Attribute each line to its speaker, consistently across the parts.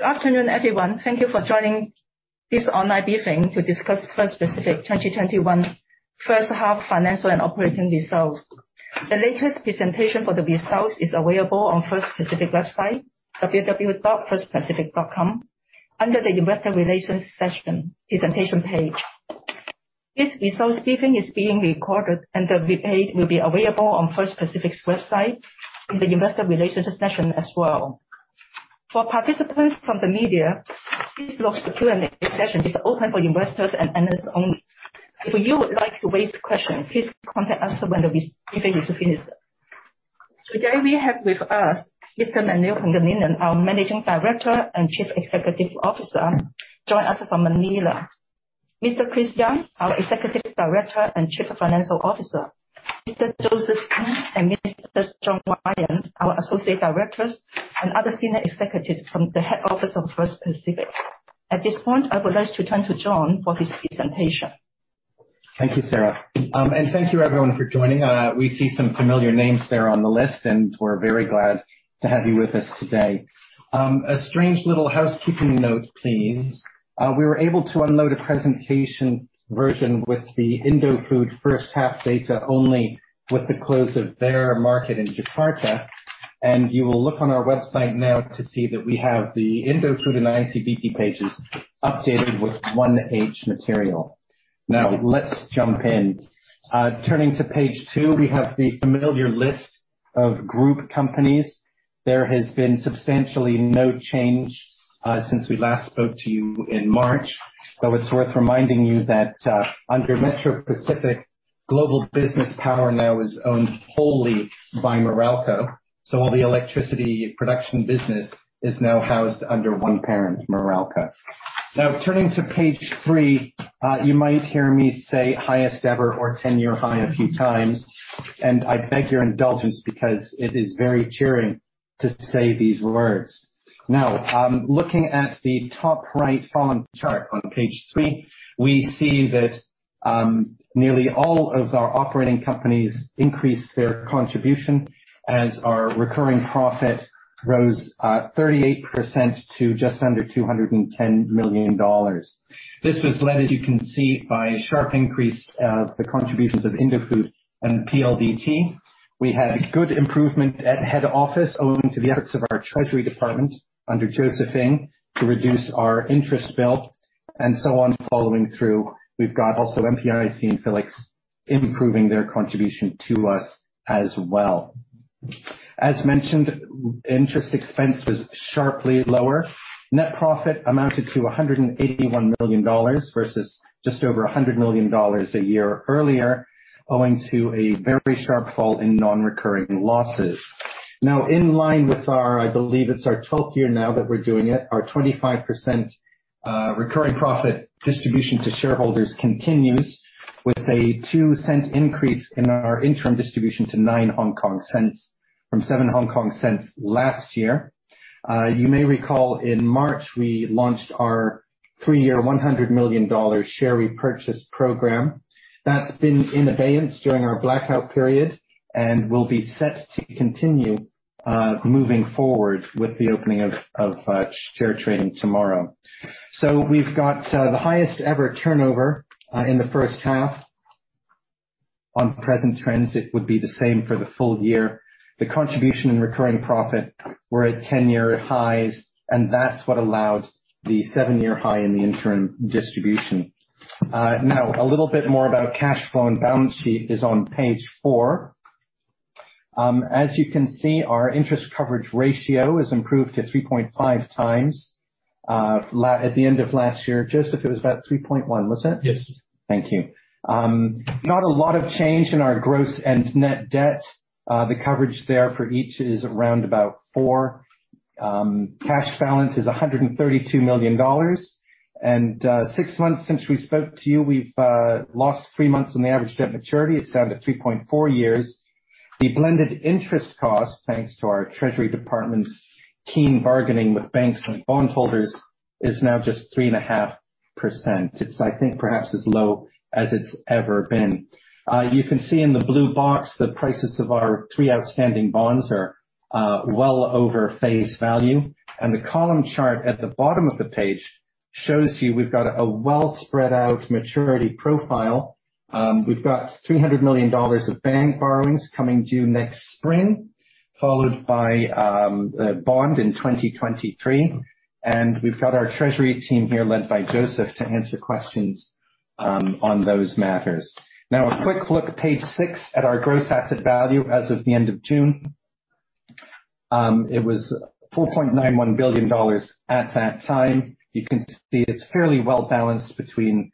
Speaker 1: Good afternoon, everyone. Thank you for joining this online briefing to discuss First Pacific 2021 first half financial and operating results. The latest presentation for the results is available on First Pacific website, www.firstpacific.com, under the investor relations section presentation page. This results briefing is being recorded and the replay will be available on First Pacific's website in the investor relations section as well. For participants from the media, please note the Q&A session is open for investors and analysts only. If you would like to raise questions, please contact us when the briefing is finished. Today we have with us Mr. Manuel Pangilinan, our Managing Director and Chief Executive Officer, joining us from Manila, Mr. Chris Young, our Executive Director and Chief Financial Officer, Mr. Joseph Ng, and Mr. John Ryan, our Associate Directors, and other senior executives from the head office of First Pacific. At this point, I would like to turn to John for his presentation.
Speaker 2: Thank you, Sarah. Thank you everyone for joining. We see some familiar names there on the list, and we're very glad to have you with us today. A strange little housekeeping note, please. We were able to unload a presentation version with the Indofood first half data only with the close of their market in Jakarta. You will look on our website now to see that we have the Indofood and ICBP pages updated with 1 H material. Let's jump in. Turning to page two, we have the familiar list of group companies. There has been substantially no change since we last spoke to you in March. It's worth reminding you that under Metro Pacific, Global Business Power now is owned wholly by Meralco. All the electricity production business is now housed under one parent, Meralco. Turning to page three, you might hear me say highest ever or 10-year high a few times. I beg your indulgence because it is very cheering to say these words. Looking at the top right font chart on page three, we see that nearly all of our operating companies increased their contribution as our recurring profit rose 38% to just under $210 million. This was led, as you can see, by a sharp increase of the contributions of Indofood and PLDT. We had good improvement at head office owing to the efforts of our treasury department under Joseph Ng to reduce our interest bill and so on following through. We've got also MPIC and Philex improving their contribution to us as well. As mentioned, interest expense was sharply lower. Net profit amounted to $181 million versus just over $100 million a year earlier, owing to a very sharp fall in non-recurring losses. In line with our, I believe it's our 12th year now that we're doing it, our 25% recurring profit distribution to shareholders continues with a 0.02 increase in our interim distribution to 0.09 from 0.07 last year. You may recall in March we launched our three-year, $100 million share repurchase program. That's been in abeyance during our blackout period and will be set to continue moving forward with the opening of share trading tomorrow. We've got the highest-ever turnover in the first half. On present trends, it would be the same for the full year. The contribution and recurring profit were at 10-year highs. That's what allowed the seven-year high in the interim distribution. A little bit more about cash flow and balance sheet is on page four. As you can see, our interest coverage ratio has improved to 3.5 times. At the end of last year, Joseph, it was about 3.1, was it?
Speaker 3: Yes.
Speaker 2: Thank you. Not a lot of change in our gross and net debt. The coverage there for each is around about four. Cash balance is $132 million. Six months since we spoke to you, we've lost three months on the average debt maturity. It's down to 3.4 years. The blended interest cost, thanks to our treasury department's keen bargaining with banks and bondholders, is now just 3.5%. It's, I think perhaps as low as it's ever been. You can see in the blue box, the prices of our three outstanding bonds are well over face value. The column chart at the bottom of the page shows you we've got a well-spread-out maturity profile. We've got $300 million of bank borrowings coming due next spring, followed by a bond in 2023. We've got our treasury team here, led by Joseph, to answer questions on those matters. Now, a quick look at page six at our gross asset value as of the end of June. It was $4.91 billion at that time. You can see it's fairly well-balanced between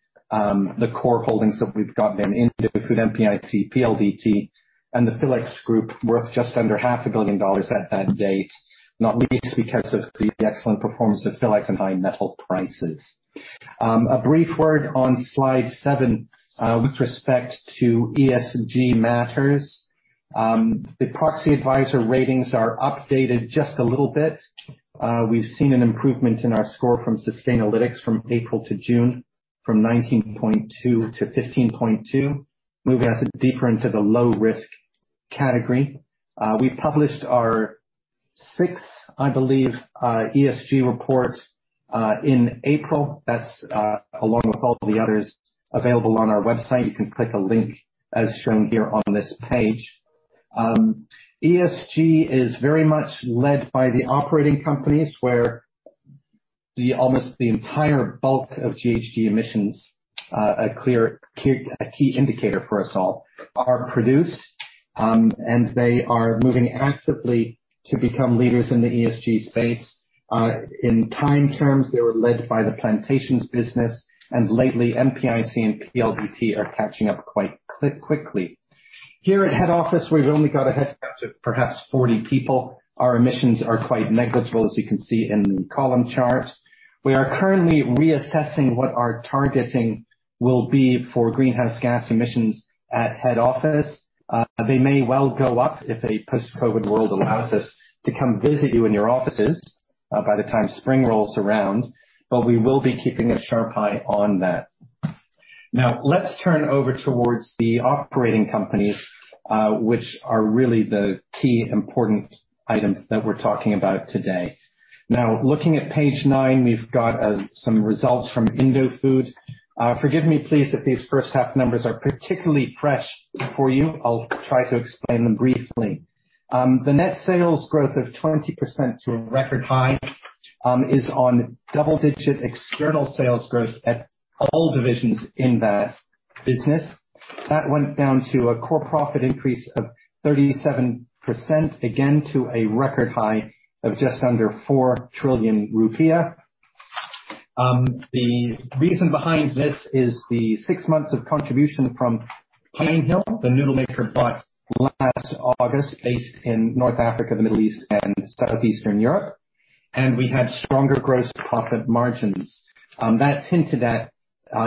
Speaker 2: the core holdings that we've got there in Indofood, MPIC, PLDT, and the Philex Group, worth just under half a billion dollars at that date, not least because of the excellent performance of Philex and high metal prices. A brief word on slide seven, with respect to ESG matters. The proxy advisor ratings are updated just a little bit. We've seen an improvement in our score from Sustainalytics from April to June, from 19.2 to 15.2, moving us deeper into the low-risk category. We published our sixth, I believe, ESG report in April. That's along with all the others available on our website, you can click a link as shown here on this page. ESG is very much led by the operating companies where almost the entire bulk of GHG emissions, a key indicator for us all, are produced. They are moving actively to become leaders in the ESG space. In time terms, they were led by the plantations business, and lately MPIC and PLDT are catching up quite quickly. Here at head office, we've only got a headcount of perhaps 40 people. Our emissions are quite negligible, as you can see in the column charts. We are currently reassessing what our targeting will be for greenhouse gas emissions at head office. They may well go up if a post-COVID world allows us to come visit you in your offices by the time spring rolls around, but we will be keeping a sharp eye on that. Let's turn over towards the operating companies, which are really the key important items that we're talking about today. Looking at page nine, we've got some results from Indofood. Forgive me please if these first half numbers are particularly fresh for you. I'll try to explain them briefly. The net sales growth of 20% to a record high is on double-digit external sales growth at all divisions in that business. That went down to a core profit increase of 37%, again to a record high of just under four trillion rupiah. The reason behind this is the six months of contribution from Pinehill, the noodle maker bought last August, based in North Africa, the Middle East, and Southeastern Europe. We had stronger gross profit margins. That's hinted at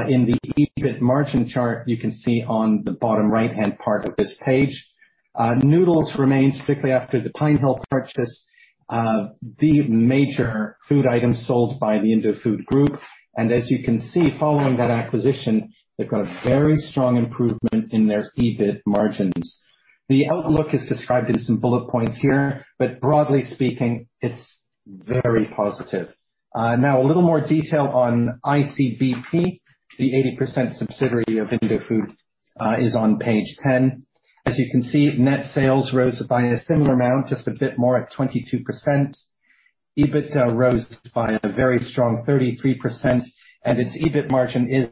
Speaker 2: in the EBIT margin chart you can see on the bottom right-hand part of this page. Noodles remains, particularly after the Pinehill purchase, the major food item sold by the Indofood Group. As you can see, following that acquisition, they've got a very strong improvement in their EBIT margins. The outlook is described in some bullet points here, but broadly speaking, it's very positive. Now a little more detail on ICBP, the 80% subsidiary of Indofood, is on page 10. As you can see, net sales rose by a similar amount, just a bit more at 22%. EBIT rose by a very strong 33%, and its EBIT margin is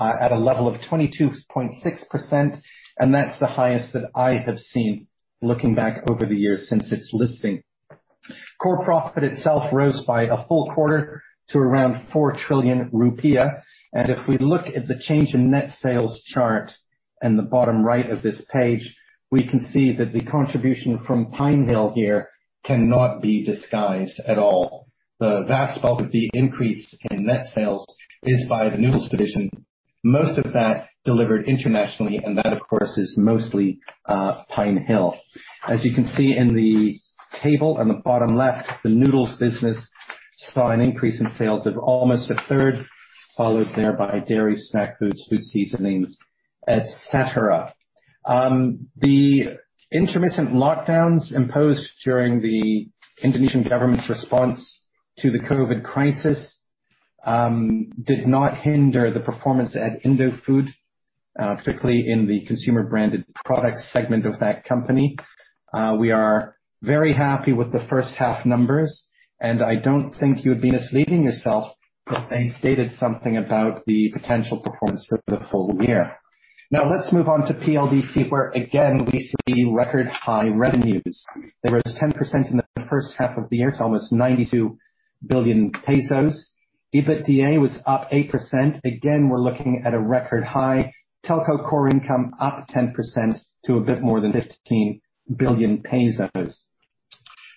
Speaker 2: at a level of 22.6%, and that's the highest that I have seen looking back over the years since its listing. Core profit itself rose by a full quarter to around 4 trillion rupiah, and if we look at the change in net sales chart in the bottom right of this page, we can see that the contribution from Pinehill here cannot be disguised at all. The vast bulk of the increase in net sales is by the noodles division, most of that delivered internationally, and that, of course, is mostly Pinehill. As you can see in the table on the bottom left, the noodles business saw an increase in sales of almost a third, followed there by dairy, snack foods, food seasonings, et cetera. The intermittent lockdowns imposed during the Indonesian government's response to the COVID-19 crisis did not hinder the performance at Indofood, particularly in the consumer-branded product segment of that company. We are very happy with the first half numbers, and I don't think you would be misleading yourself if I stated something about the potential performance for the full year. Now let's move on to PLDT, where again, we see record high revenues. They rose 10% in the first half of the year to almost 92 billion pesos. EBITDA was up 8%. Again, we're looking at a record high. Telco core income up 10% to a bit more than 15 billion pesos.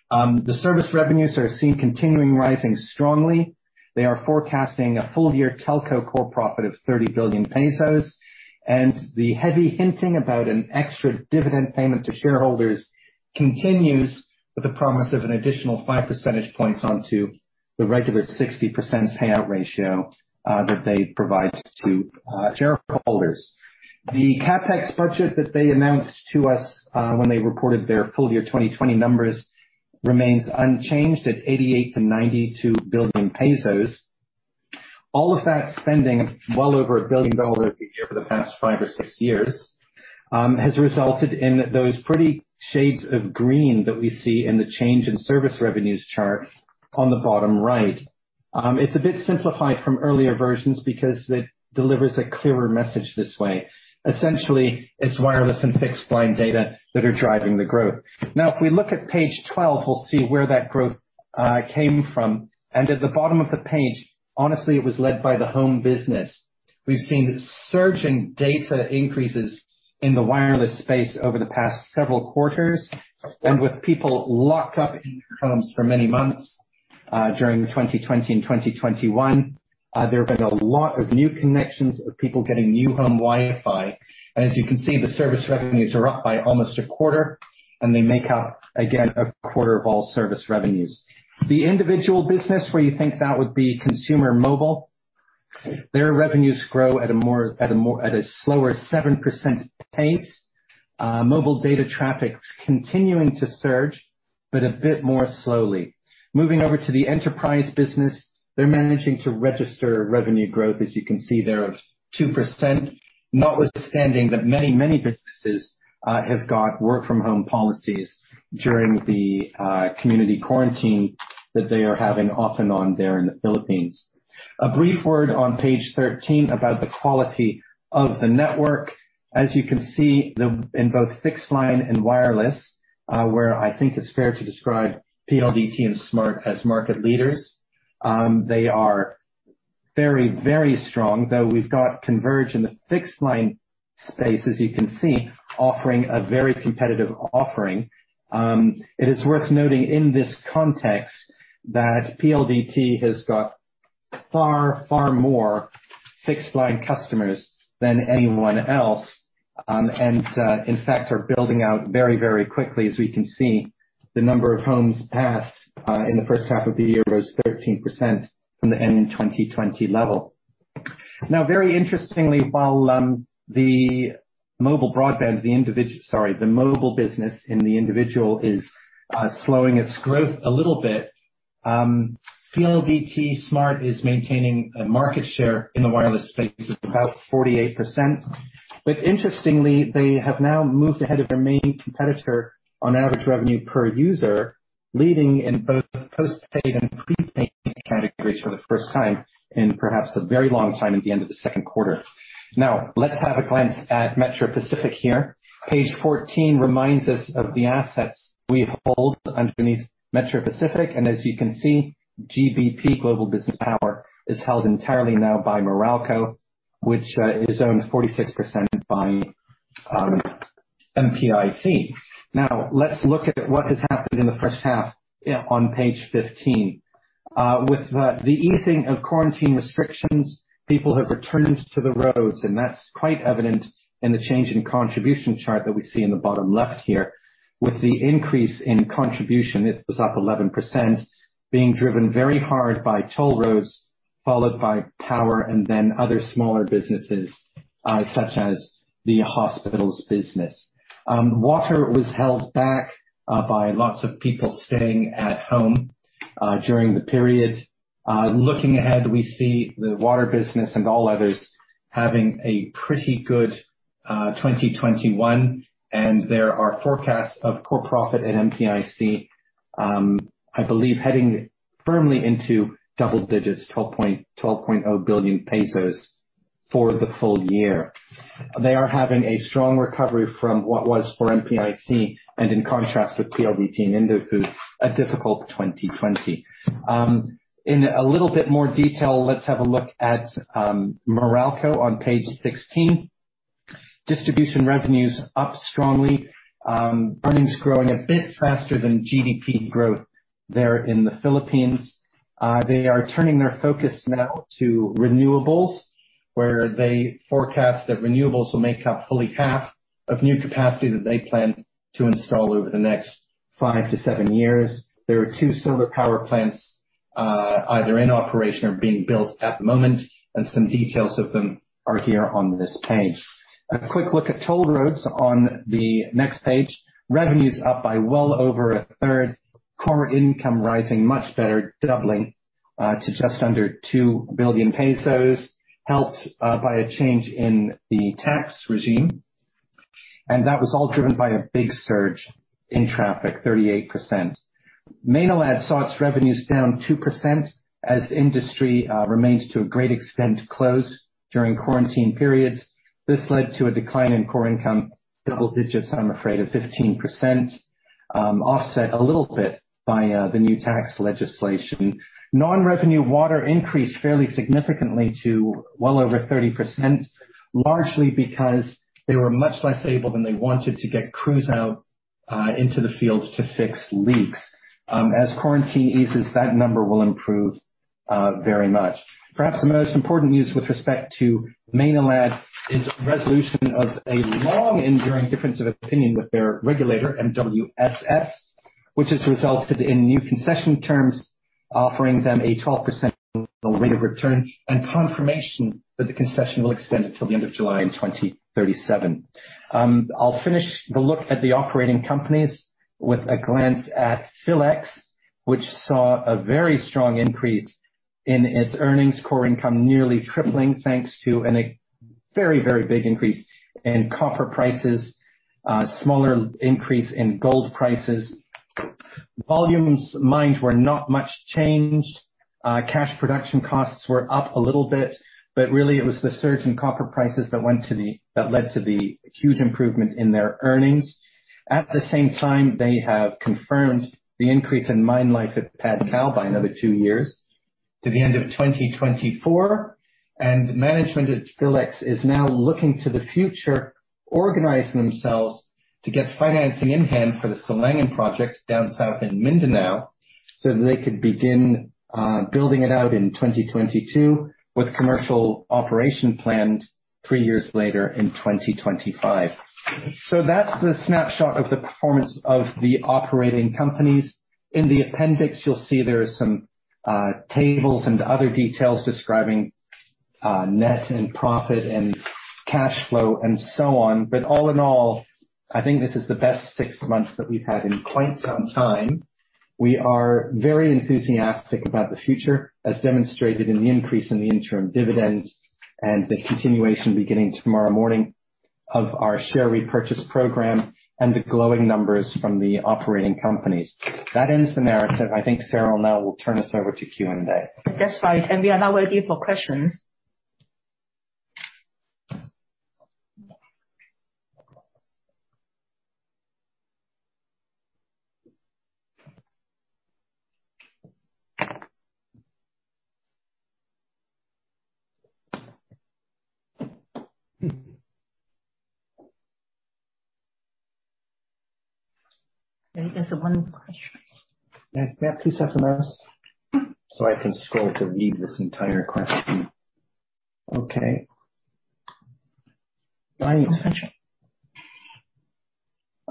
Speaker 2: The service revenues are seen continuing rising strongly. They are forecasting a full-year telco core profit of 30 billion pesos. The heavy hinting about an extra dividend payment to shareholders continues with the promise of an additional 5 percentage points onto the regular 60% payout ratio that they provide to shareholders. The CapEx budget that they announced to us when they reported their full year 2020 numbers remains unchanged at 88 billion-92 billion pesos. All of that spending, well over $1 billion a year for the past five or six years, has resulted in those pretty shades of green that we see in the change in service revenues chart on the bottom right. It's a bit simplified from earlier versions because it delivers a clearer message this way. Essentially, it's wireless and fixed-line data that are driving the growth. If we look at page 12, we'll see where that growth came from. At the bottom of the page, honestly, it was led by the home business. We've seen surging data increases in the wireless space over the past several quarters, and with people locked up in their homes for many months during 2020 and 2021, there have been a lot of new connections of people getting new home Wi-Fi. As you can see, the service revenues are up by almost a quarter, and they make up, again, a quarter of all service revenues. The individual business where you think that would be consumer mobile. Their revenues grow at a slower 7% pace. Mobile data traffic's continuing to surge, but a bit more slowly. Moving over to the enterprise business, they're managing to register revenue growth, as you can see there of 2%, notwithstanding that many businesses have got work from home policies during the community quarantine that they are having off and on there in the Philippines. A brief word on page 13 about the quality of the network. As you can see, in both fixed line and wireless, where I think it's fair to describe PLDT and Smart as market leaders. They are very strong, though we've got Converge in the fixed line space, as you can see, offering a very competitive offering. It is worth noting in this context that PLDT has got far more fixed line customers than anyone else, and in fact, are building out very quickly as we can see the number of homes passed in the first half of the year was 13% from the end of 2020 level. Very interestingly, while the mobile business in the individual is slowing its growth a little bit, PLDT Smart is maintaining a market share in the wireless space of about 48%. Interestingly, they have now moved ahead of their main competitor on average revenue per user, leading in both postpaid and prepaid categories for the first time in perhaps a very long time at the end of the second quarter. Let's have a glance at Metro Pacific here. Page 14 reminds us of the assets we hold underneath Metro Pacific, and as you can see, GBP, Global Business Power, is held entirely now by Meralco, which is owned 46% by MPIC. Let's look at what has happened in the first half on page 15. With the easing of quarantine restrictions, people have returned to the roads, and that's quite evident in the change in contribution chart that we see in the bottom left here with the increase in contribution, it was up 11%, being driven very hard by toll roads, followed by power and then other smaller businesses, such as the hospitals business. Water was held back by lots of people staying at home, during the period. Looking ahead, we see the water business and all others having a pretty good 2021. There are forecasts of core profit at MPIC, I believe heading firmly into double digits, 12.0 billion pesos for the full year. They are having a strong recovery from what was for MPIC, in contrast with PLDT and Indofood, a difficult 2020. In a little bit more detail, let's have a look at Meralco on page 16. Distribution revenues up strongly. Earnings growing a bit faster than GDP growth there in the Philippines. They are turning their focus now to renewables, where they forecast that renewables will make up fully half of new capacity that they plan to install over the next five to seven years. There are two solar power plants, either in operation or being built at the moment. Some details of them are here on this page. A quick look at toll roads on the next page. Revenues up by well over a third. Core income rising much better, doubling to just under 2 billion pesos, helped by a change in the tax regime. That was all driven by a big surge in traffic, 38%. Maynilad saw its revenues down 2% as industry remains to a great extent closed during quarantine periods. This led to a decline in core income, double digits, I'm afraid of 15%, offset a little bit by the new tax legislation. Non-revenue water increased fairly significantly to well over 30%, largely because they were much less able than they wanted to get crews out into the fields to fix leaks. As quarantine eases, that number will improve very much. Perhaps the most important news with respect to Maynilad is resolution of a long enduring difference of opinion with their regulator, MWSS, which has resulted in new concession terms offering them a 12% rate of return and confirmation that the concession will extend until the end of July in 2037. I'll finish the look at the operating companies with a glance at Philex, which saw a very strong increase in its earnings core income nearly tripling, thanks to a very big increase in copper prices, a smaller increase in gold prices. Volumes mined were not much changed. Cash production costs were up a little bit, but really it was the surge in copper prices that led to the huge improvement in their earnings. At the same time, they have confirmed the increase in mine life at Padcal by another two years to the end of 2024. Management at Philex is now looking to the future, organizing themselves to get financing in hand for the Sulangan projects down south in Mindanao, so they could begin building it out in 2022 with commercial operation planned three years later in 2025. That's the snapshot of the performance of the operating companies. In the appendix, you'll see there is some tables and other details describing net and profit and cash flow, and so on. All in all, I think this is the best six months that we've had in quite some time. We are very enthusiastic about the future, as demonstrated in the increase in the interim dividend and the continuation, beginning tomorrow morning, of our share repurchase program and the glowing numbers from the operating companies. That ends the narrative. I think Sarah now will turn us over to Q&A.
Speaker 1: That's right. We are now ready for questions. There's one question.
Speaker 2: Yes. We have two sets of eyes, so I can scroll to read this entire question. Okay. By extension.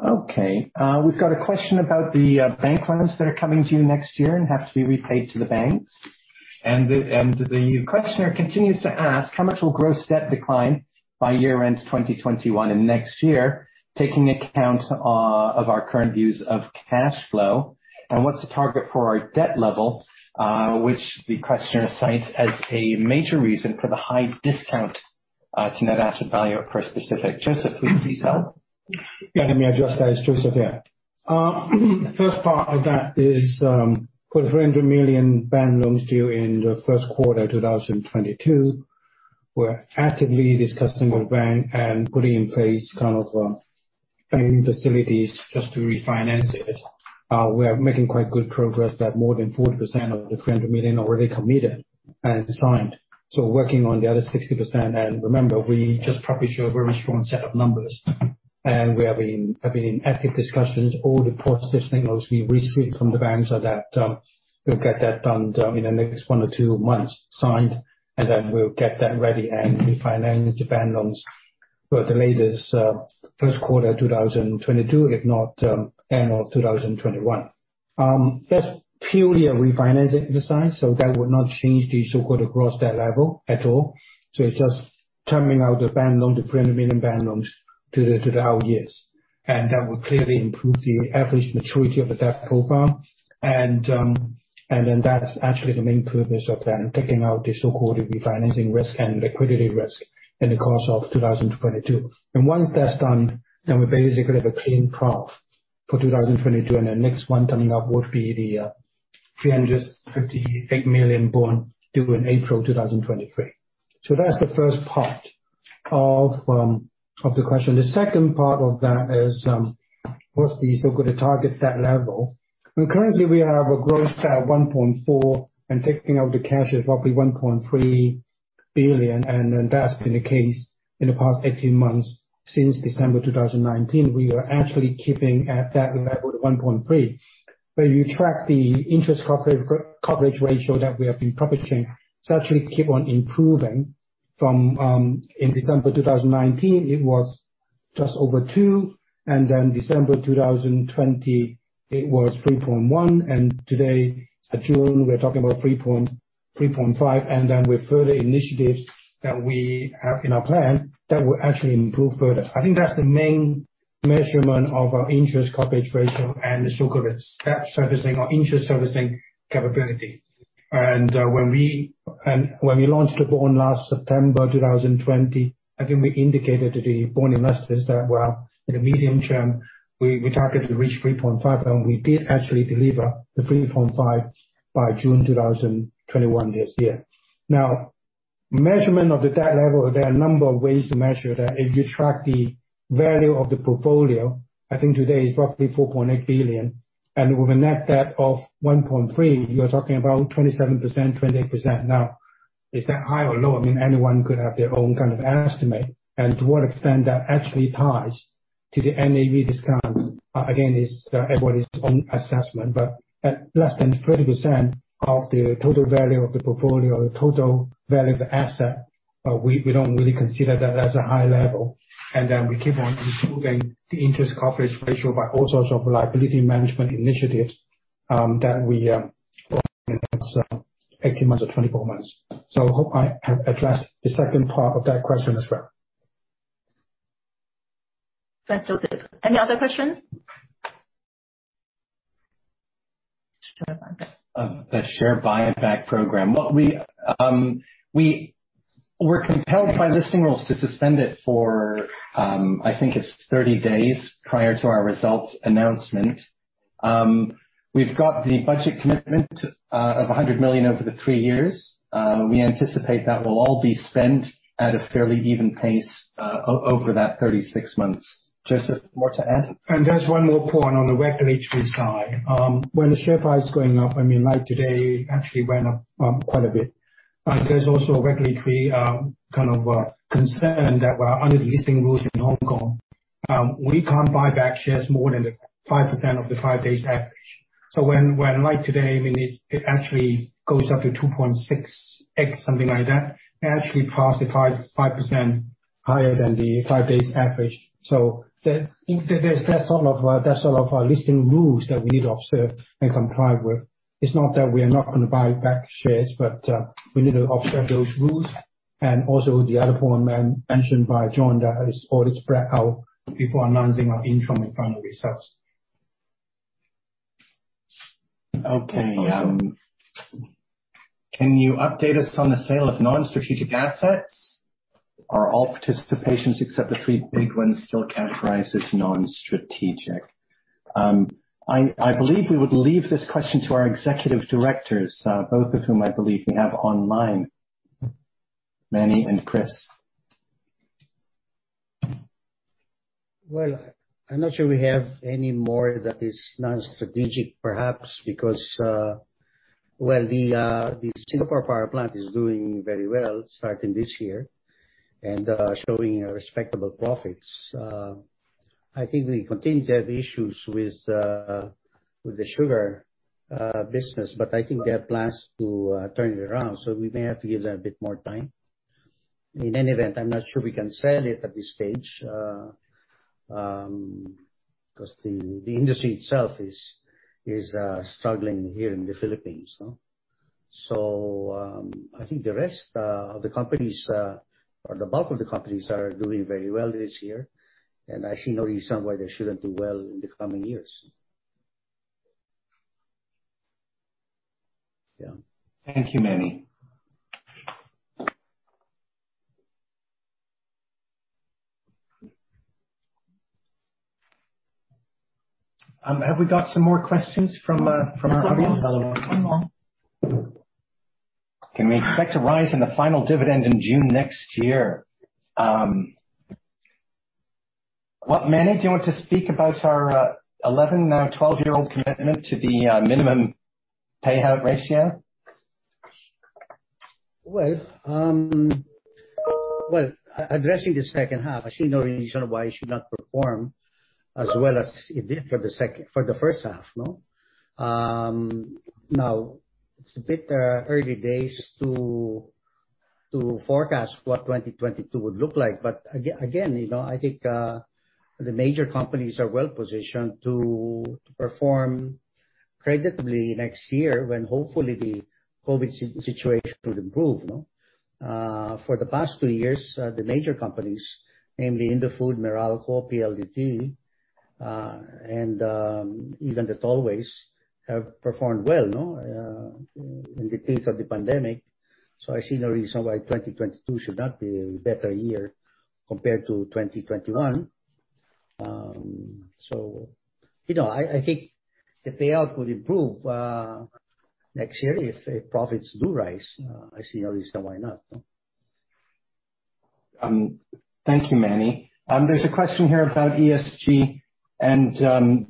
Speaker 2: Okay. We've got a question about the bank loans that are coming due next year and have to be repaid to the banks. The questioner continues to ask, how much will gross debt decline by year-end 2021 and next year, taking account of our current views of cash flow? What's the target for our debt level? Which the questioner cites as a major reason for the high discount to net asset value at First Pacific. Joseph, would you please help?
Speaker 3: Yeah, let me address that. It's Joseph here. First part of that is, we've got $300 million bank loans due in the first quarter 2022. We're actively discussing with banks and putting in place kind of framing facilities just to refinance it. We are making quite good progress that more than 40% of the $300 million are already committed and signed. Working on the other 60%. Remember, we just published a very strong set of numbers, and we have been in active discussions. All the positive signals we received from the banks are that we'll get that done in the next one to two months signed, and then we'll get that ready and refinance the bank loans for the latest first quarter 2022, if not annual 2021. That's purely a refinancing exercise, that would not change the so-called gross debt level at all. It's just terming out the bank loan, the $300 million bank loans to the whole years. That would clearly improve the average maturity of the debt profile. That's actually the main purpose of then taking out the so-called refinancing risk and liquidity risk in the course of 2022. Once that's done, then we basically have a clean path for 2022, and the next one coming up would be the $358 million bond due in April 2023. That's the first part of the question. The second part of that is, what's the so-called target debt level? Currently we have a gross debt of $1.4 billion, and taking out the cash is roughly $1.3 billion. That's been the case in the past 18 months since December 2019. We were actually keeping at that level of 1.3. When you track the interest coverage ratio that we have been publishing, it's actually keep on improving from, in December 2019 it was just over two, and then December 2020 it was 3.1, and today, June, we're talking about 3.5. With further initiatives that we have in our plan, that will actually improve further. I think that's the main measurement of our interest coverage ratio and the so-called debt servicing or interest servicing capability. When we launched the bond last September 2020, I think we indicated to the bond investors that, well, in the medium term, we targeted to reach 3.5, and we did actually deliver the 3.5 by June 2021 this year. Measurement of the debt level, there are a number of ways to measure that. If you track the value of the portfolio, I think today it's roughly $4.8 billion. With a net debt of $1.3 billion, you're talking about 27%-28%. Is that high or low? Anyone could have their own kind of estimate and to what extent that actually ties to the NAV discount. Everybody's own assessment, but at less than 20% of the total value of the portfolio or the total value of the asset, we don't really consider that as a high level. Then we keep on improving the interest coverage ratio by all sorts of liability management initiatives that we 18 months or 24 months. Hope I have addressed the second part of that question as well.
Speaker 1: Thanks, Joseph. Any other questions? Sure, Mark.
Speaker 2: The share buyback program. We were compelled by listing rules to suspend it for, I think it's 30 days, prior to our results announcement. We've got the budget commitment of $100 million over the 3 years. We anticipate that will all be spent at a fairly even pace over that 36 months. Joseph, more to add?
Speaker 3: There's one more point on the regulatory side. When the share price going up, like today, it actually went up quite a bit. There's also a regulatory kind of concern that under the listing rules in Hong Kong. We can't buy back shares more than the 5% of the 5 days average. When, like today, it actually goes up to 2.6x, something like that, it actually passed the 5% higher than the five days average. That's all of our listing rules that we need to observe and comply with. It's not that we are not going to buy back shares, but we need to observe those rules. Also the other point mentioned by John, that it's spread out before announcing our interim and final results.
Speaker 2: Okay. Can you update us on the sale of non-strategic assets? Are all participations except the three big ones still categorized as non-strategic? I believe we would leave this question to our executive directors, both of whom I believe we have online. Manny and Chris.
Speaker 4: Well, I'm not sure we have any more that is non-strategic, perhaps because, well, the Singapore power plant is doing very well starting this year and showing respectable profits. I think we continue to have issues with the sugar business, I think they have plans to turn it around, we may have to give that a bit more time. In any event, I'm not sure we can sell it at this stage, the industry itself is struggling here in the Philippines. I think the rest of the companies, or the bulk of the companies are doing very well this year. I see no reason why they shouldn't do well in the coming years. Yeah.
Speaker 2: Thank you, Manny. Have we got some more questions from our audience?
Speaker 3: There's one more.
Speaker 2: Can we expect a rise in the final dividend in June next year? Manny, do you want to speak about our 11, now 12-year-old commitment to the minimum payout ratio?
Speaker 4: Well, addressing the secondnd half, I see no reason why it should not perform as well as it did for the first half, no? It's a bit early days to forecast what 2022 would look like. Again, I think the major companies are well-positioned to perform creditably next year, when hopefully the COVID-19 situation would improve. For the past two years, the major companies, namely Indofood, Meralco, PLDT, and even the Tollways have performed well in the case of the pandemic. I see no reason why 2022 should not be a better year compared to 2021. I think the payout could improve next year if profits do rise. I see no reason why not.
Speaker 2: Thank you, Manny. There's a question here about ESG and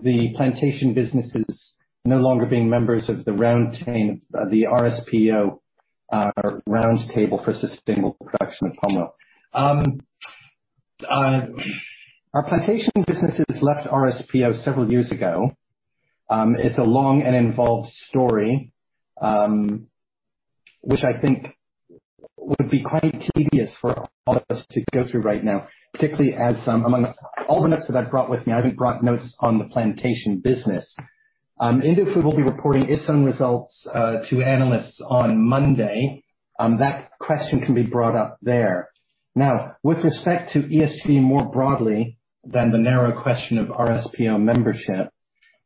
Speaker 2: the plantation businesses no longer being members of the Roundtable on Sustainable Palm Oil. Our plantation businesses left RSPO several years ago. It's a long and involved story, which I think would be quite tedious for all of us to go through right now, particularly as among all the notes that I've brought with me, I haven't brought notes on the plantation business. Indofood will be reporting its own results to analysts on Monday. That question can be brought up there. With respect to ESG more broadly than the narrow question of RSPO membership,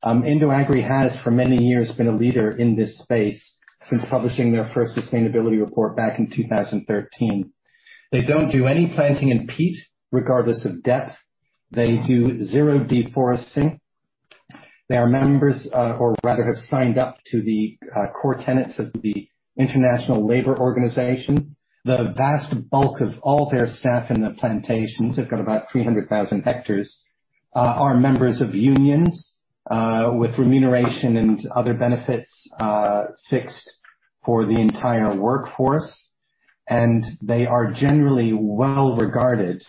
Speaker 2: IndoAgri has, for many years, been a leader in this space since publishing their first sustainability report back in 2013. They don't do any planting in peat, regardless of depth. They do zero deforestation. They are members, or rather have signed up to the core tenets of the International Labour Organization. The vast bulk of all their staff in the plantations, they've got about 300,000 hectares, are members of unions, with remuneration and other benefits fixed for the entire workforce. They are generally well-regarded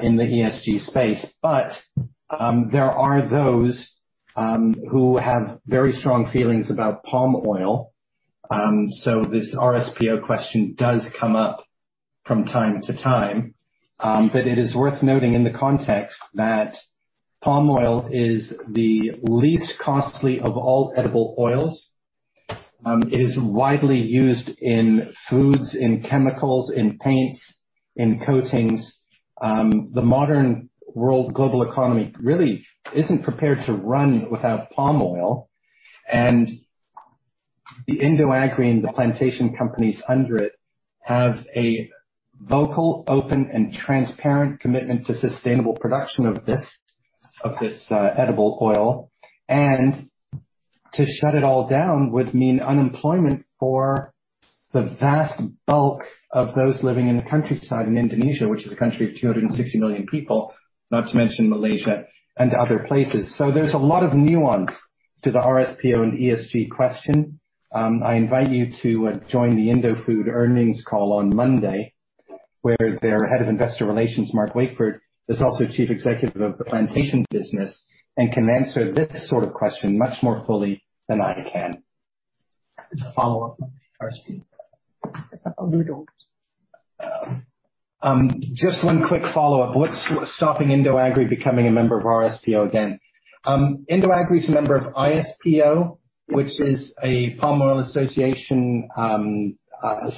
Speaker 2: in the ESG space. There are those who have very strong feelings about palm oil. This RSPO question does come up from time to time. It is worth noting in the context that palm oil is the least costly of all edible oils. It is widely used in foods, in chemicals, in paints, in coatings. The modern world global economy really isn't prepared to run without palm oil. The IndoAgri and the plantation companies under it have a vocal, open, and transparent commitment to sustainable production of this edible oil. To shut it all down would mean unemployment for the vast bulk of those living in the countryside in Indonesia, which is a country of 260 million people, not to mention Malaysia and other places. There's a lot of nuance. To the RSPO and ESG question, I invite you to join the Indofood earnings call on Monday, where their Head of Investor Relations, Mark Wakeford, is also Chief Executive of the plantation business and can answer this sort of question much more fully than I can.
Speaker 1: Follow-up on RSPO.
Speaker 2: Just one quick follow-up. What's stopping IndoAgri becoming a member of RSPO again? IndoAgri is a member of ISPO, which is a palm oil association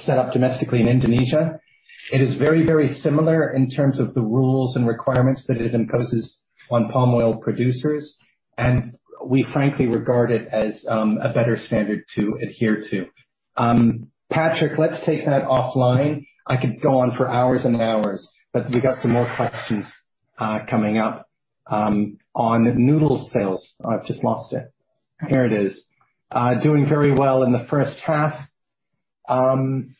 Speaker 2: set up domestically in Indonesia. It is very similar in terms of the rules and requirements that it imposes on palm oil producers. We frankly regard it as a better standard to adhere to. Patrick, let's take that offline. I could go on for hours and hours. We got some more questions coming up. On noodle sales. I've just lost it. Here it is. Doing very well in the first half. Honestly,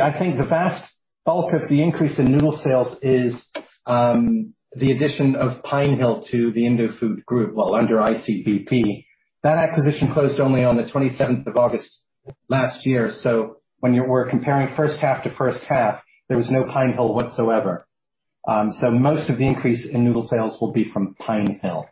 Speaker 2: I think the vast bulk of the increase in noodle sales is the addition of Pinehill to the Indofood group while under ICBP. That acquisition closed only on the 27th of August last year, so when we're comparing first half to first half, there was no Pinehill whatsoever. Most of the increase in noodle sales will be from Pinehill.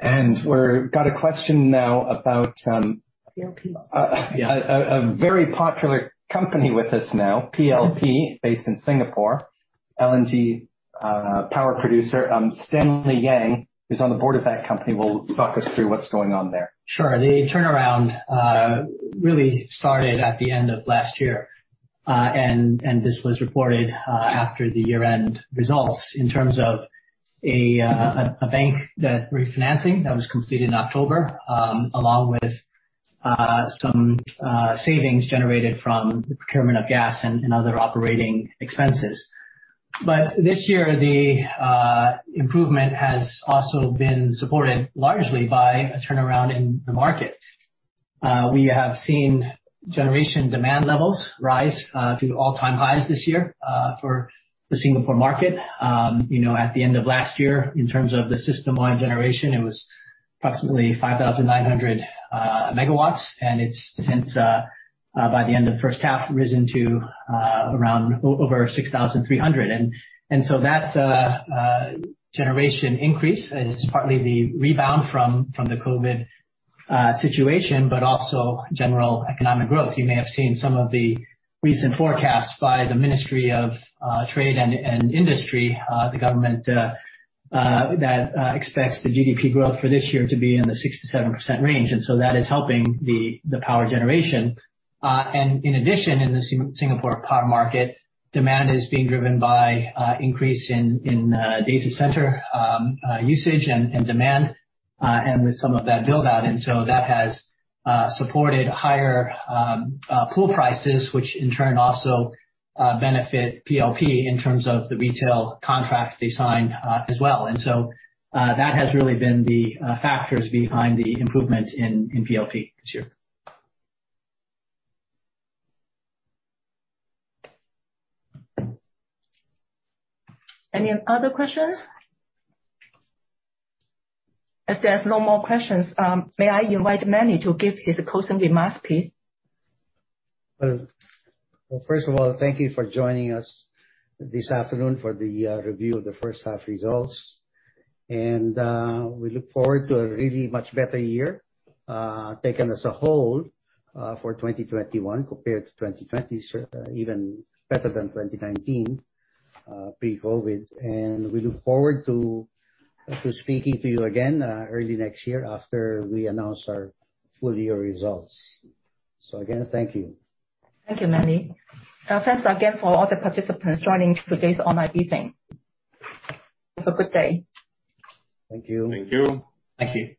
Speaker 2: We've got a question now.
Speaker 1: PLP.
Speaker 2: A very popular company with us now, PLP, based in Singapore. LNG power producer. Stanley Yang, who's on the board of that company, will talk us through what's going on there.
Speaker 5: Sure. The turnaround really started at the end of last year. This was reported after the year-end results in terms of a bank refinancing that was completed in October, along with some savings generated from the procurement of gas and other operating expenses. This year, the improvement has also been supported largely by a turnaround in the market. We have seen generation demand levels rise to all-time highs this year for the Singapore market. At the end of last year, in terms of the system-wide generation, it was approximately 5,900 megawatts, and it's since, by the end of first half, risen to around over 6,300. That generation increase is partly the rebound from the COVID-19 situation, but also general economic growth. You may have seen some of the recent forecasts by the Ministry of Trade and Industry, the government that expects the GDP growth for this year to be in the 6-7% range. That is helping the power generation. In addition, in the Singapore power market, demand is being driven by increase in data center usage and demand, with some of that build out. That has supported higher pool prices, which in turn also benefit PLP in terms of the retail contracts they signed as well. That has really been the factors behind the improvement in PLP this year.
Speaker 1: Any other questions? As there's no more questions, may I invite Manny to give his closing remarks, please?
Speaker 4: Well, first of all, thank you for joining us this afternoon for the review of the first half results. We look forward to a really much better year, taken as a whole, for 2021 compared to 2020, even better than 2019 pre-COVID-19. We look forward to speaking to you again early next year after we announce our full-year results. Again, thank you.
Speaker 1: Thank you, Manny. Thanks again for all the participants joining today's online briefing. Have a good day.
Speaker 4: Thank you.
Speaker 6: Thank you.
Speaker 2: Thank you.